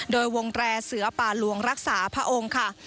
โดยวงแตรเสือป่าหลวงรักษาพระองค์ค่ะ